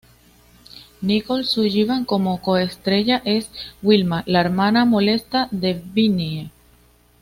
Nicole Sullivan como co-estrella es Wilma, la hermana molesta de Vinnie.